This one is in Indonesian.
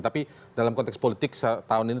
tapi dalam konteks politik tahun ini